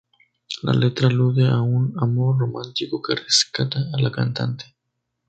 La letra alude a un amor romántico que rescata a la cantante.